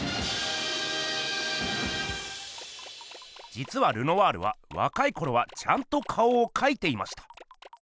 じつはルノワールはわかいころはちゃんと顔をかいていました。